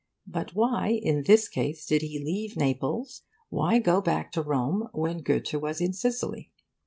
But why, in this case, did he leave Naples, why go back to Rome, when Goethe was in Sicily?